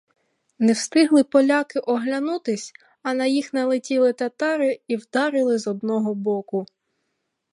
Не встигли поляки оглянутись, а на їх налетіли татари і вдарили з одного боку.